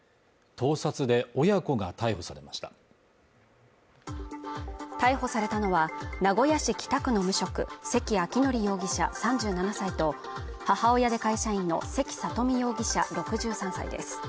盗撮で親子が逮捕されました逮捕されたのは名古屋市北区の無職関明範容疑者３７歳と母親で会社員の関佐登美容疑者６３歳です